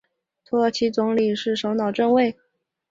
土耳其总理是土耳其共和国已被撤销的政府首脑职位。